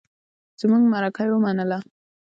زمونږ مرکه يې ومنله.